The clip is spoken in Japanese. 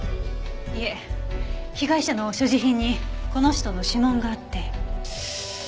いえ被害者の所持品にこの人の指紋があって。